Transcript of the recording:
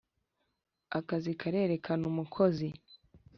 akazi karerekana umukozi.